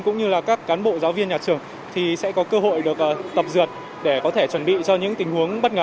cũng như là các cán bộ giáo viên nhà trường thì sẽ có cơ hội được tập dượt để có thể chuẩn bị cho những tình huống bất ngờ